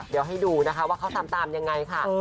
เดี๋ยวให้ดูนะคะว่าเขาทำตามยังไงค่ะ